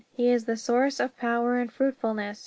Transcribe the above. He is the source of power and fruitfulness.